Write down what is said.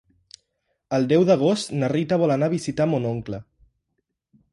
El deu d'agost na Rita vol anar a visitar mon oncle.